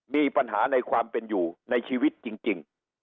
มีปัญหาในความเป็นอยู่ในชีวิตจริง